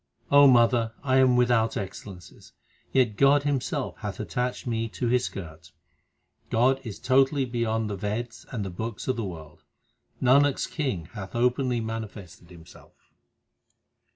O mother, I am without excellences, yet God Himself hath attached me to His skirt. God is totally beyond the Veds and the books of the world ; Nanak s King hath openly manifested Himself.